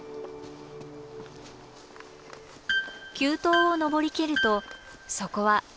急登を登りきるとそこは広い山頂部。